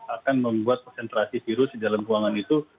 akan membuat konsentrasi virus di dalam ruangan itu